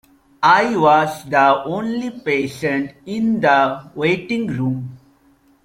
I was the only patient in the waiting room.